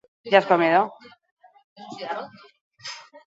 Orain, egindakoaren aitortza lortzen saiatuko dira, baina lortuko ote dute?